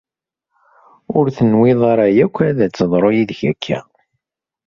Ur tenwiḍ ara akk ad teḍru yid-k akka.